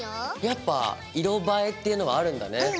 やっぱ色映えっていうのはあるんだね。